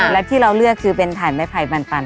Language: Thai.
และที่เราเลือกคือเป็นฐานไม้ไผ่ปัน